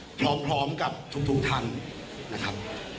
พร้อมพร้อมจะผอมไม่พลังกับทุกทันนะครับ